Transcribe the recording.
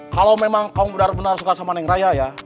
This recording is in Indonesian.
kalau memang kamu benar benar suka sama neng raya ya